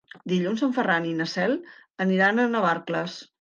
Dilluns en Ferran i na Cel aniran a Navarcles.